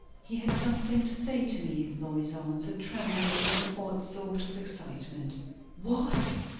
"He had something to say to me," Lois answered, trembling with an odd sort of excitement. "What?